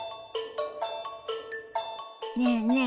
ねえねえ